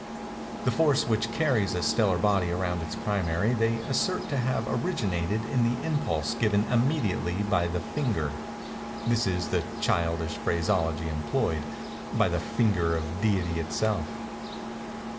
The force which carries a stellar body around its primary they assert to have originated in an impulse given immediately by the finger—this is the childish phraseology employed—by the finger of Deity itself.